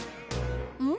うん？